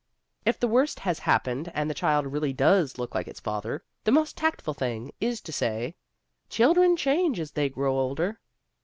If the worst has happened and the child really does look like its father, the most tactful thing is to say, "Children change as they grow older."